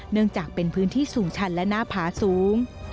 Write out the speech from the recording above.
เนื่องจากเป็นพื้นที่สูงชันและหน้าผาสูง